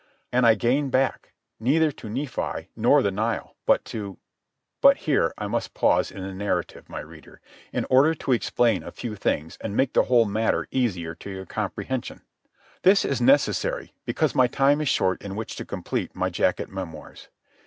And I gained back, neither to Nephi nor the Nile, but to— But here I must pause in the narrative, my reader, in order to explain a few things and make the whole matter easier to your comprehension. This is necessary, because my time is short in which to complete my jacket memoirs.